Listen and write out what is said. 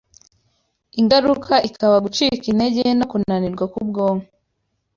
ingaruka ikaba gucika intege no kunanirwa k’ubwonko